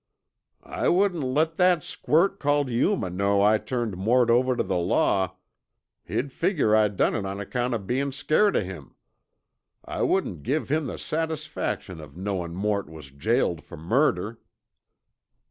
"I wouldn't let that squirt called Yuma know I turned Mort over tuh the law; he'd figger I done it on account of bein' scairt o' him. I wouldn't give him the satisfaction of knowin' Mort was jailed fer murder."